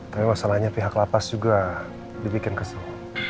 tapi masalahnya pihak lapas juga dibikin kesel